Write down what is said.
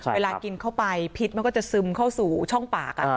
เวลากินเข้าไปพิษมันก็จะซึมเข้าสู่ช่องปาก